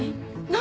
何？